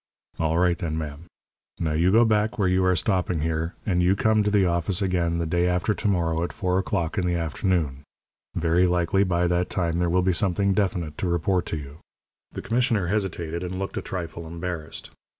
"All right, then, ma'am. Now you go back where you are stopping here, and you come to the office again the day after to morrow at four o'clock in the afternoon. Very likely by that time there will be something definite to report to you." The commissioner hesitated, and looked a trifle embarrassed.